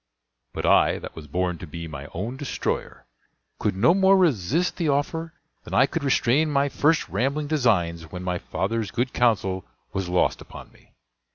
But I, that was born to be my own destroyer, could no more resist the offer than I could restrain my first rambling designs when my father's good counsel was lost upon me.